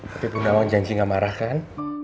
tapi bundawan janji gak marah kan